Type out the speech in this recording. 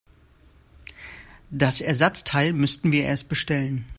Das Ersatzteil müssten wir erst bestellen.